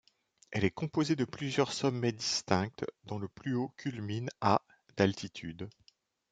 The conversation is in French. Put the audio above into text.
Elle est composée de plusieurs sommets distincts dont le plus haut culmine à d'altitude.